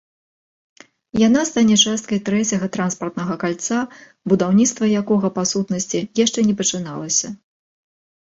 Яна стане часткай трэцяга транспартнага кальца, будаўніцтва якога па сутнасці яшчэ не пачыналася.